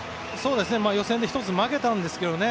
予選で１つ負けたんですけどね